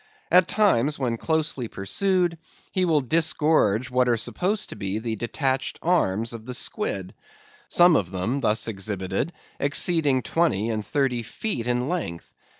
At times, when closely pursued, he will disgorge what are supposed to be the detached arms of the squid; some of them thus exhibited exceeding twenty and thirty feet in length.